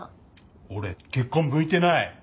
俺結婚向いてない。